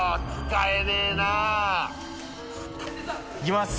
いきます。